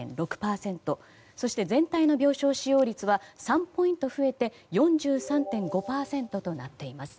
そして、全体の病床使用率は３ポイント増えて４３．５％となっています。